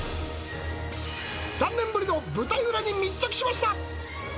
３年ぶりの舞台裏に密着しました。